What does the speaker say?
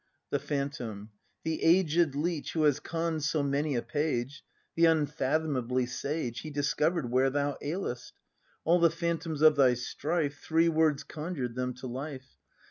The Phantom. The aged leech. Who has conn'd so many a page, — The unfathomably sage, He discovered where thou ailest. All the phantoms of thy strife. Three words conjured them to life.